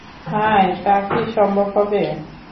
হায় তা কি সম্ভব হবে!